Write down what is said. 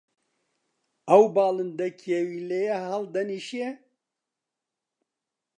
ئەو باڵندە کێویلەیە هەڵدەنیشێ؟